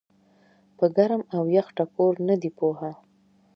پۀ ګرم او يخ ټکور نۀ دي پوهه